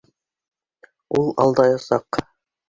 Ул алдаясаҡ!